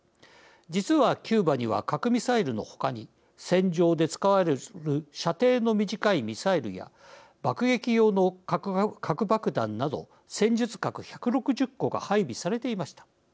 実はキューバには核ミサイルのほかに戦場で使われる射程の短いミサイルや爆撃機用の核爆弾など戦術核１６０個が配備されていました。